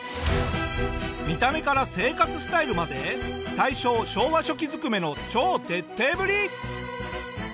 見た目から生活スタイルまで大正昭和初期ずくめの超徹底ぶり！